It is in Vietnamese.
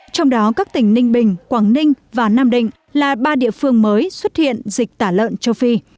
trong đó các tỉnh ninh bình quảng ninh và nam định là ba địa phương mới xuất hiện dịch tả lợn châu phi